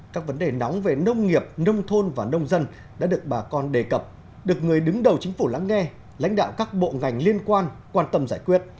các vấn đề nóng về nông nghiệp nông thôn và nông dân đã được bà con đề cập được người đứng đầu chính phủ lắng nghe lãnh đạo các bộ ngành liên quan quan tâm giải quyết